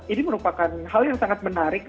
ini merupakan hal yang sangat menarik